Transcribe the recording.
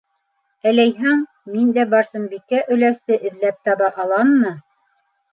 Әләйһәң, мин дә Барсынбикә өләсте эҙләп таба аламмы?